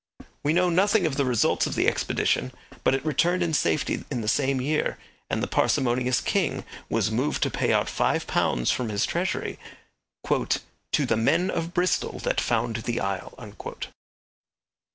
We know nothing of the results of the expedition, but it returned in safety in the same year, and the parsimonious king was moved to pay out five pounds from his treasury 'to the men of Bristol that found the isle.'